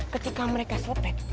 ketika mereka selepet